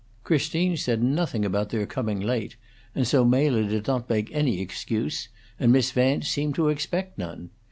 Christine said nothing about their coming late, and so Mela did not make any excuse, and Miss Vance seemed to expect none.